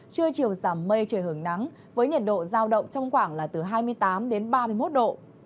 trưa chiều giảm mây trời hưởng nắng với nhiệt độ giao động trong khoảng là từ hai mươi tám đến ba mươi một độ